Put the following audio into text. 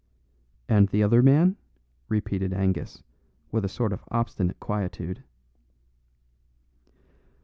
"And the other man?" repeated Angus with a sort of obstinate quietude.